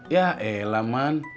ya elah man